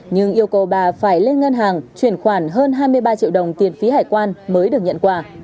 nhưng yêu cầu bà phải lên ngân hàng chuyển khoản hơn hai mươi ba triệu đồng tiền phí hải quan mới được nhận quà